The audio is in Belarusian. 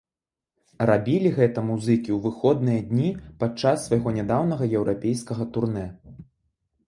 Рабілі гэта музыкі ў выходныя дні падчас свайго нядаўняга еўрапейскага турнэ.